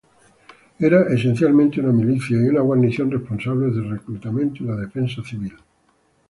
Era esencialmente una milicia y una guarnición responsables del reclutamiento y la defensa civil.